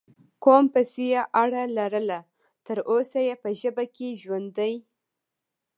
قوم پسې یې اړه لرله، تر اوسه یې په ژبه کې ژوندی